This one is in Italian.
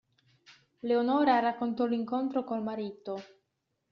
Leonora raccontò l'incontro col marito.